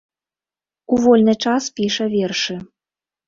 У вольны час піша вершы.